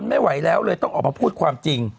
อ่าแอ็กซี่ต้องถามสิ